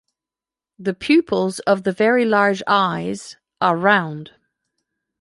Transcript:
The pupils of the very large eyes are round.